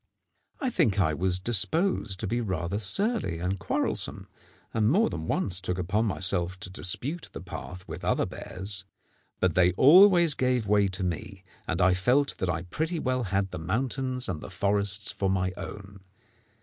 I think I was disposed to be rather surly and quarrelsome, and more than once took upon myself to dispute the path with other bears; but they always gave way to me, and I felt that I pretty well had the mountains and the forests for my own.